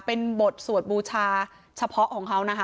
เป็นบทสวดบูชาเฉพาะของเขานะคะ